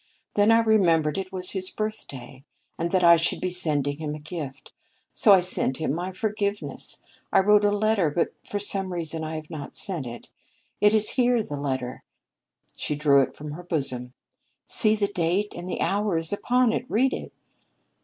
Then I remembered it was his birthday, and that I should be sending him a gift. So I sent him my forgiveness. I wrote a letter, but for some reason I have not sent it. It is here, the letter!" She drew it from her bosom. "See, the date and hour is upon it. Read it."